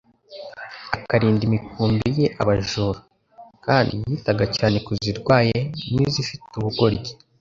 akarinda imikumbi ye abajura; kandi yitaga cyane ku zirwaye n'izifite ubugoryi;